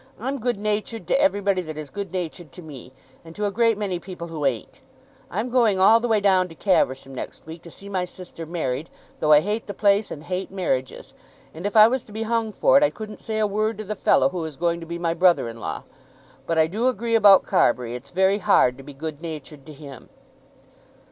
"I'm good natured to everybody that is good natured to me, and to a great many people who ain't. I'm going all the way down to Caversham next week to see my sister married, though I hate the place and hate marriages, and if I was to be hung for it I couldn't say a word to the fellow who is going to be my brother in law. But I do agree about Carbury. It's very hard to be good natured to him."